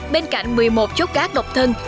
bên cạnh một mươi một chốt cát độc thân